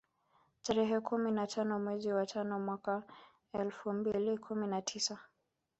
Tarehe kumi na tano mwezi wa tano mwaka elfu mbili kumi na tisa